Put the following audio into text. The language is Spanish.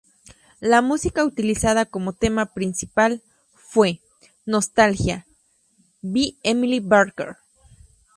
La música utilizada como tema principal fue "Nostalgia" be Emily Barker.